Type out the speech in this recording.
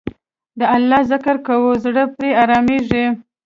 د الله ذکر کوه، زړه پرې آرامیږي.